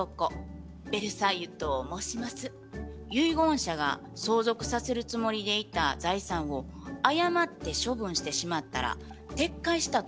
遺言者が相続させるつもりでいた財産を誤って処分してしまったら撤回したということになりますよね。